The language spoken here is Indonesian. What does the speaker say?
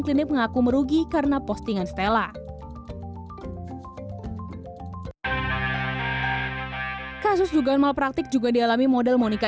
klinik mengaku merugi karena postingan stella kasus dugaan malpraktik juga dialami model monika